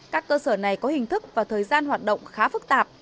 các cơ sở này có hình thức và thời gian hoạt động khá phức tạp